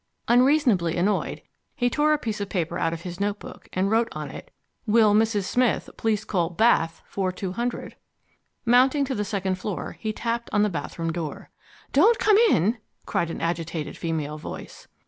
Unreasonably annoyed, he tore a piece of paper out of his notebook and wrote on it Will Mrs. Smith please call Bath 4200. Mounting to the second floor he tapped on the bathroom door. "Don't come in!" cried an agitated female voice.